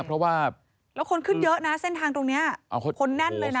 เพราะว่าแล้วคนขึ้นเยอะนะเส้นทางตรงนี้คนแน่นเลยนะ